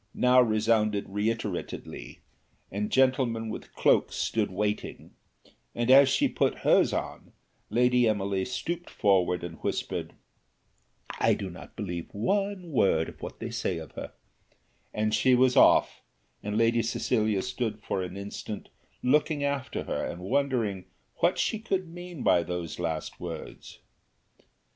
now resounded reiteratedly, and gentlemen with cloaks stood waiting, and as she put hers on, Lady Emily stooped forward and whispered, "I do not believe one word of what they say of her," and she was off, and Lady Cecilia stood for an instant looking after her, and considering what she could mean by those last words.